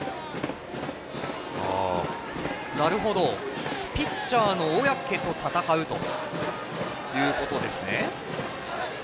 なるほど、ピッチャーの小宅と戦うということですね。